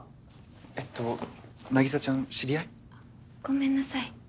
えっと凪沙ちゃん知り合い？ごめんなさい。